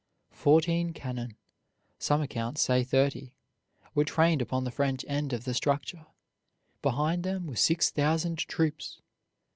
Fourteen cannon some accounts say thirty were trained upon the French end of the structure. Behind them were six thousand troops.